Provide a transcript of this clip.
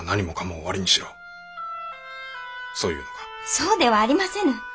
そうではありませぬ！